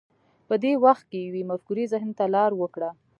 په دې وخت کې یوې مفکورې ذهن ته لار وکړه